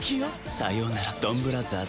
さようならドンブラザーズ。